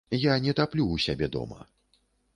Я не таплю ў сябе дома.